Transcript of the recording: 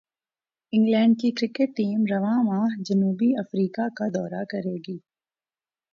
England کی cricket team رواں ماہ جنوبی افریقہ کا دورہ کرے گی